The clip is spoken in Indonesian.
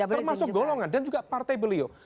termasuk golongan dan juga partai beliau